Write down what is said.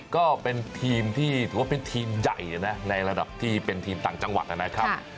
ก็เป็นทีมที่ถือว่าเป็นทีมใหญ่นะในระดับที่เป็นทีมต่างจังหวัดนะครับ